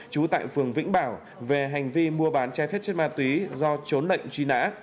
trú tại phường vĩnh bảo về hành vi mua bán trái phép chất ma túy do trốn lệnh truy nã